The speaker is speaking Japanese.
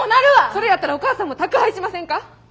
それやったらお母さんも宅配しませんか？